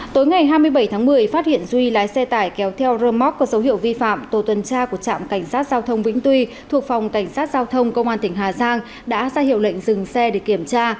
tối ngày hai mươi bảy tháng một mươi phát hiện duy lái xe tải kéo theo rơ móc có dấu hiệu vi phạm tổ tuần tra của trạm cảnh sát giao thông vĩnh tuy thuộc phòng cảnh sát giao thông công an tỉnh hà giang đã ra hiệu lệnh dừng xe để kiểm tra